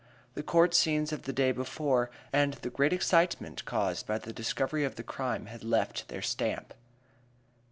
The court scenes of the day before and the great excitement caused by the discovery of the crime had left their stamp.